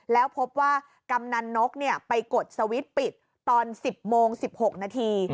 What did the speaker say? แล้วพบว่ากำนันนกไปกดสวิตช์ปิดตอน๑๐โมง๑๖นาที